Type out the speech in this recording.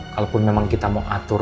kalaupun memang kita mau atur